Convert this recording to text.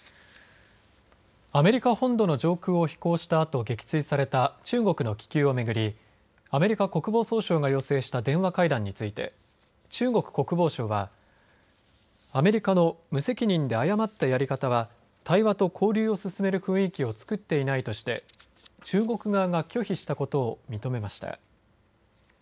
アメリカ本土の上空を飛行したあと撃墜された中国の気球を巡りアメリカ国防総省が要請した電話会談について中国国防省はアメリカの無責任で誤ったやり方は対話と交流を進める雰囲気を作っていないとして中国側が拒否したことを認めました。